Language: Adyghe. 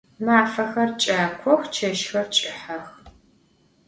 Mafexer ç'akox, çeşxer ç'ıhex.